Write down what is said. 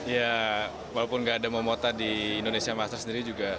ya walaupun gak ada momota di indonesia master sendiri juga